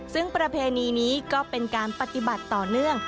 ซึ่งประเพณีนี้ก็เป็นการปฏิบัติต่อเนื่อง